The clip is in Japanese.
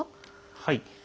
はい。